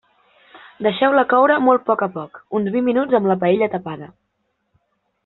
Deixeu-la coure molt a poc a poc uns vint minuts amb la paella tapada.